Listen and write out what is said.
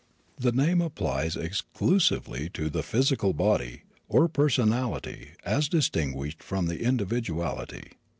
The name applies exclusively to the physical body, or personality, as distinguished from the individuality.